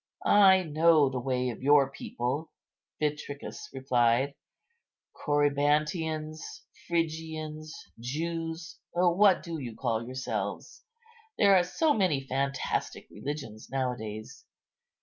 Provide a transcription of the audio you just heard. "I know the way of your people," Vitricus replied, "Corybantians, Phrygians, Jews, what do you call yourselves? There are so many fantastic religions now a days.